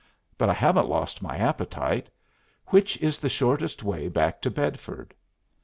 But I haven't lost my appetite. Which is the shortest way back to Bedford?"